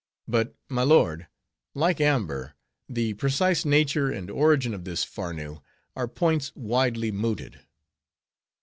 But, my lord, like amber, the precise nature and origin of this Farnoo are points widely mooted."